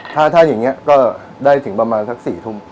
ถ้าอย่างนี้ก็ได้ถึงประมาณสัก๔ทุ่ม